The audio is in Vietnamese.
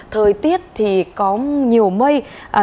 thời tiết thì có nhiều mây